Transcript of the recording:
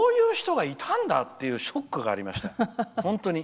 こういう人がいたんだというショックがありました。